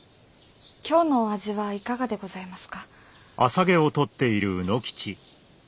今日のお味はいかがでございますか？